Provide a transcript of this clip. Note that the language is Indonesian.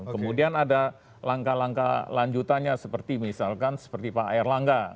kemudian ada langkah langkah lanjutannya seperti misalkan seperti pak erlangga